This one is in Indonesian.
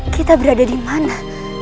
kita berada dimana